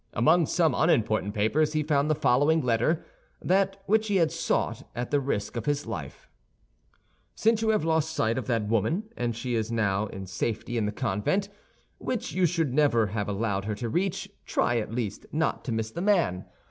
Among some unimportant papers he found the following letter, that which he had sought at the risk of his life: "Since you have lost sight of that woman and she is now in safety in the convent, which you should never have allowed her to reach, try, at least, not to miss the man.